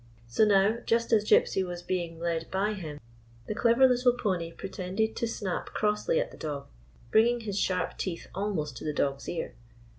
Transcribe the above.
So now, just as Gypsy was being led by him, the clever little pony pretended to snap crossly at the dog, bringing his sharp teeth almost to the dog's ear.